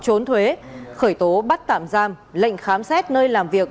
phòng cảnh sát kinh tế công an tỉnh hà tĩnh khởi tố bắt tạm giam lệnh khám xét nơi làm việc